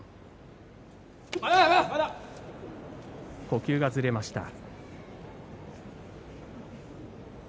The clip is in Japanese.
呼吸がずれました。